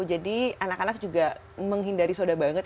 jadi anak anak juga menghindari soda banget